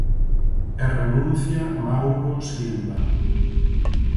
E renuncia Mauro Silva.